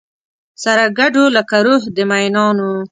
سره ګډو لکه روح د مینانو